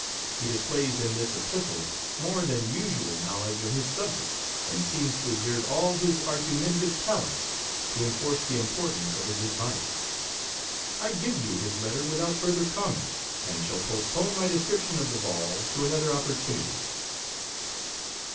He displays in this epistle more than usual knowledge of his subject, and seems to exert all his argu mentative talents to enforce the importance of his advice. I give you his letter without fur ther comment, and shall postpone my de scription of the ball to another opportunity.